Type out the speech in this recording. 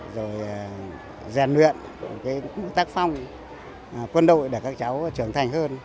rồi rèn luyện cái tác phong quân đội để các cháu trưởng thành hơn